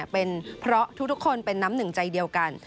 เป็นเพราะทุกคนเป็นน้ำหนึ่งใจเดียวกัน